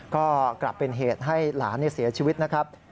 ก็กลับเป็นเหตุให้หลานเสียชีวิตนะครับ